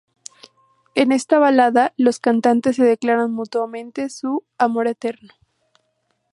En esta balada, los cantantes se declaran mutuamente su "amor eterno".